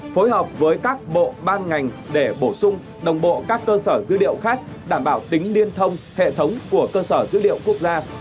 phối hợp với các bộ ban ngành để bổ sung đồng bộ các cơ sở dữ liệu khác đảm bảo tính liên thông hệ thống của cơ sở dữ liệu quốc gia